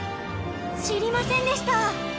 知りませんでした。